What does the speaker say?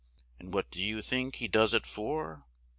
And what do you think he does it for?